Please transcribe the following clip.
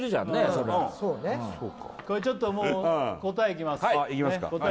それはこれちょっともう答えいきます答え